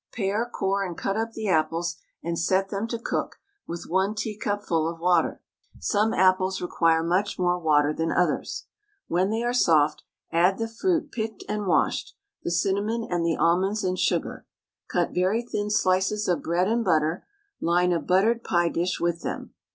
Pare, core, and cut up the apples and set them to cook with 1 teacupful of water. Some apples require much more water than others. When they are soft, add the fruit picked and washed, the cinnamon, and the almonds and sugar. Cut very thin slices of bread and butter, line a buttered pie dish with them.